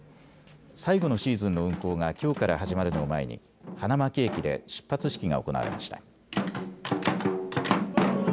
最後のシーズンの運行がきょうから始まるのを前に花巻駅で出発式が行われました。